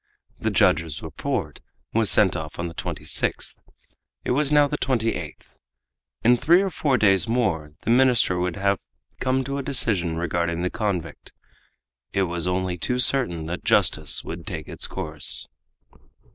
The judge's report was sent off on the 26th. It was now the 28th. In three or four days more the minister would have come to a decision regarding the convict, and it was only too certain that justice would take its course.